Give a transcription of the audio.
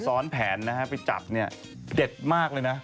ซ้อนแผนนะฮะไปจับเนี่ยเด็ดมากเลยนะ